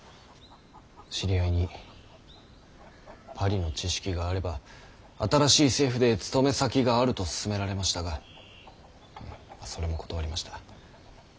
知り合いにパリの知識があれば新しい政府で勤め先があると勧められましたがそれも断りました。